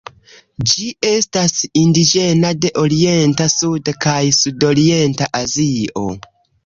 Ĝi estas indiĝena de Orienta, Suda kaj Sudorienta Azio.